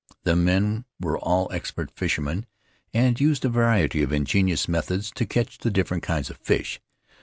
The men were all expert fishermen, and used a variety of ingenious methods to catch the different kinds of fish.